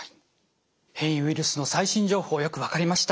変異ウイルスの最新情報よく分かりました。